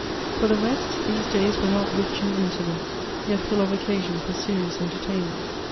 For the rest, these days were not rich in incidents ; yet full of occasion for serious entertainment.